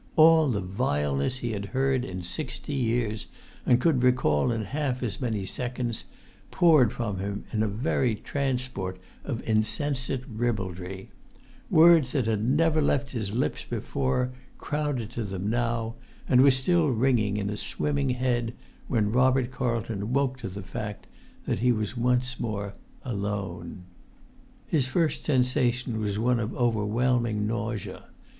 All the vileness he had heard in sixty years, and could recall in half as many seconds, poured from him in a very transport of insensate ribaldry; words that had never left his lips before, crowded to them now; and were still ringing in a swimming head when Robert Carlton woke to the fact that he was once more alone. His first sensation was one of overwhelming nausea.